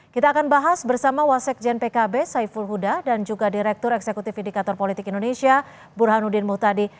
kita akan bahas bersama wasekjen pkb saiful huda dan juga direktur eksekutif indikator politik indonesia burhanuddin muhtadi